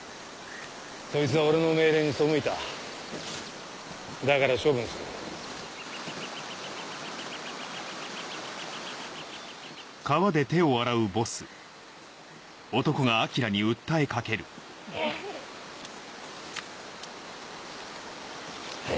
そいつは俺の命令に背いただから処分するうっう！